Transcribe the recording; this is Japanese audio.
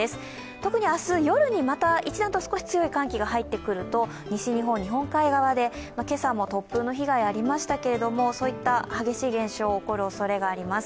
特に明日夜にまた、一段と強い寒気が入ってくると西日本日本海側で、今朝も突風の被害がありましたがそういった激しい現象が起こるおそれがあります。